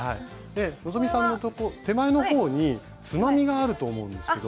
希さんの手前の方につまみがあると思うんですけど。